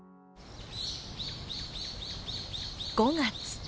５月。